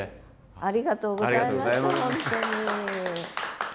ありがとうございました本当に。